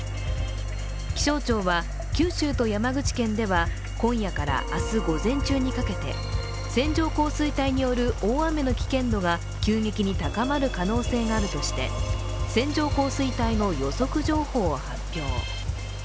気象庁は、九州と山口県では今夜から明日午前中にかけて線状降水帯による大雨の危険度が急激に高まる可能性があるとして線状降水帯の予測情報を発表。